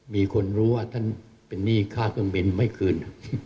มีคนรู้ว่าท่านเป็นหนี้ค่าเครื่องบินไม่คืน